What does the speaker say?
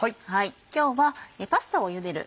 今日はパスタをゆでる